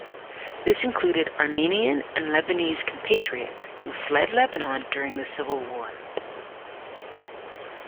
This included Armenian and Lebanese compatriots who fled Lebanon during the Civil War.